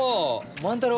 万太郎！